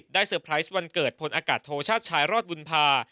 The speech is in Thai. เซอร์ไพรส์วันเกิดพลอากาศโทชาติชายรอดบุญภา